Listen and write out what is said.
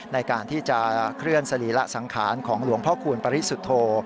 ในการที่จะเคลื่อนสรีระสังขารของหลวงพ่อคูณปริสุทธโธ